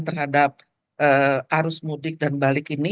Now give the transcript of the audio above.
terhadap arus mudik dan balik ini